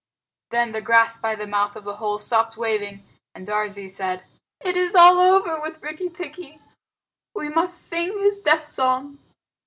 Then the grass by the mouth of the hole stopped waving, and Darzee said, "It is all over with Rikki tikki! We must sing his death song.